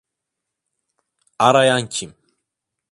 Arayan kim?